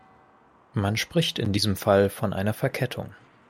Man spricht in diesem Fall von einer Verkettung.